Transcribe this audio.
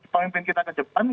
pemimpin kita ke jepang